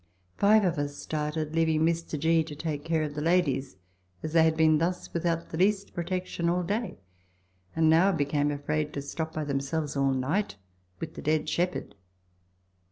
Five of us started, leaving Mr. G. to take care of the ladies, as they had been thus without the least protec tion all day, and now became afraid to stop by themselves all night with the dead shepherd.